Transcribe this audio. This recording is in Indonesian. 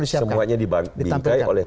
semuanya dibingkai oleh